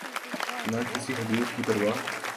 نہ کسی حدود کی پروا۔